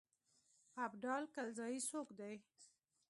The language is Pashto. ابدال کلزايي څوک دی.